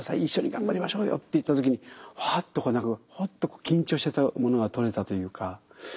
一緒に頑張りましょうよ」って言った時に「は」っとこう何か「ほっ」と緊張してたものが取れたというか。